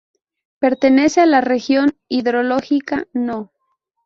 Pertenece a la región hidrológica No.